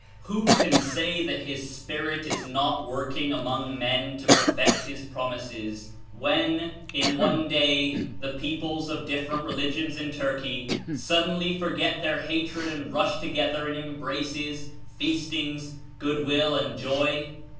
Who can say that his Spirit is not working among men to perfect his promises when, in one day, the peoples of different religions in Turkey suddenly forget their hatred and rush together in embraces, feastings, good will and joy?